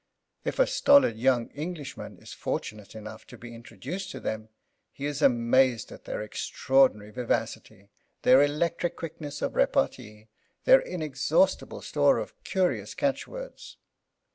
If a stolid young Englishman is fortunate enough to be introduced to them he is amazed at their extraordinary vivacity, their electric quickness of repartee, their inexhaustible store of curious catchwords.